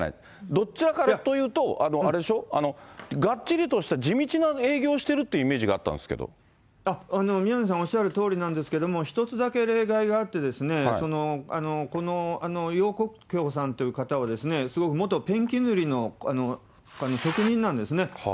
どちらかというと、あれでしょ、がっちりとした地道な営業しているというイメージがあったんです宮根さんおっしゃるとおりなんですけれども、１つだけ例外があってですね、この楊国強さんという方は、元ペンキ塗りの職人なんですね。